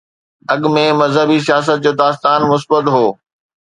اڳ ۾ مذهبي سياست جو داستان مثبت هو.